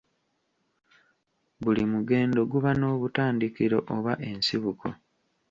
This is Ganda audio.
Buli mugendo guba n'obutandikiro oba ensibuko